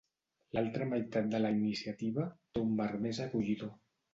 L'altra meitat de la iniciativa té un marc més acollidor.